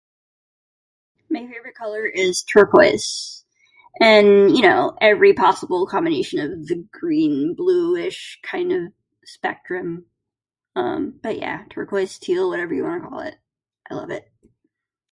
My favorite color is turquoise. And, you know, every possible combination of the green, blueish kind of spectrum. But yeah, turquoise, teal, whatever you wanna call it, I love it.